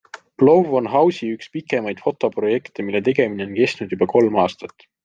BLOW on Hausi üks pikemaid fotoprojekte, mille tegemine on kestnud juba kolm aastat.